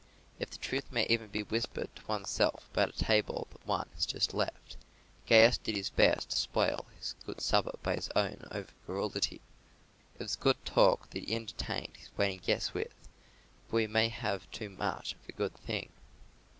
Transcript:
If the truth may even be whispered to one's self about a table that one has just left, Gaius did his best to spoil his good supper by his own over garrulity. It was good talk that he entertained his waiting guests with, but we may have too much of a good thing.